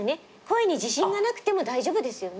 声に自信がなくても大丈夫ですよね。